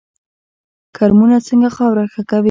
کرمونه څنګه خاوره ښه کوي؟